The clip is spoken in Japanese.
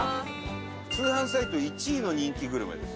通販サイト１位の人気グルメです。